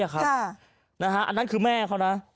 อันนั้นคือแม่เขานะ